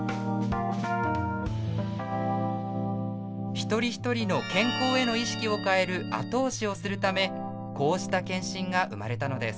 一人ひとりの健康への意識を変える後押しをするためこうした健診が生まれたのです。